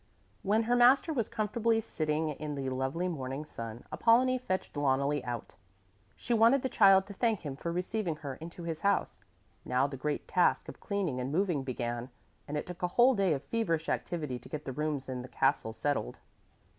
When her master was comfortably sitting in the lovely morning sun, Apollonie fetched Loneli out. She wanted the child to thank him for receiving her into his house. Now the great task of cleaning and moving began, and it took a whole day of feverish activity to get the rooms in the castle settled.